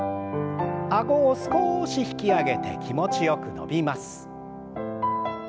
あごを少し引き上げて気持ちよく伸びます。